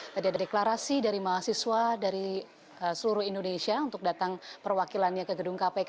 tadi ada deklarasi dari mahasiswa dari seluruh indonesia untuk datang perwakilannya ke gedung kpk